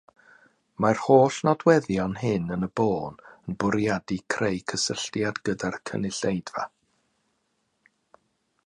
Mae'r holl nodweddion hyn yn y bôn yn bwriadu creu cysylltiad gyda'r gynulleidfa.